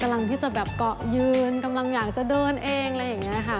กำลังที่จะแบบเกาะยืนกำลังอยากจะเดินเองอะไรอย่างนี้ค่ะ